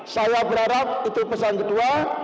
saya berharap itu pesan kedua